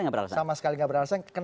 sama sekali gak beralasan